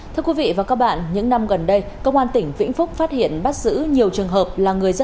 thưa quý vị và các bạn những năm gần đây công an tỉnh vĩnh phúc phát hiện bắt giữ nhiều trường hợp là người dân